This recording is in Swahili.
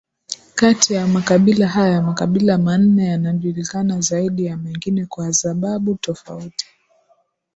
Kati ya makabila haya makabila manne yanajulikana zaidi ya mengine kwa zababu tofauti